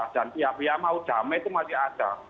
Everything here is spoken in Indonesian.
dan tiap tiap mau damai itu masih ada